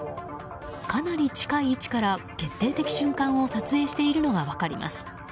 かなり近い位置から決定的瞬間を撮影しているのが分かります。